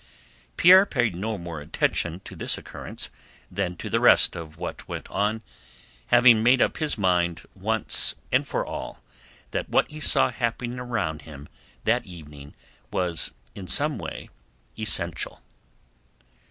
Pierre paid no more attention to this occurrence than to the rest of what went on, having made up his mind once for all that what he saw happening around him that evening was in some way essential.